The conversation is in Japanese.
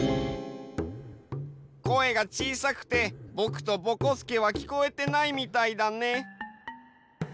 声がちいさくてぼくとぼこすけはきこえてないみたいだね。